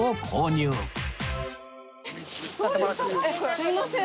すいません。